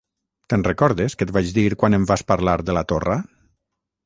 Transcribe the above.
- Te'n recordes, que et vaig dir quan em vas parlar de la torra?